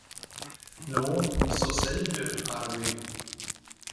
Nå, så säg du, Arvi.